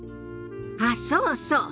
あっそうそう。